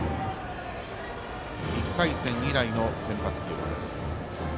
１回戦以来の先発起用です。